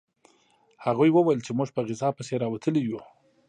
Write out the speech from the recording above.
هغوی وویل چې موږ په غذا پسې راوتلي یو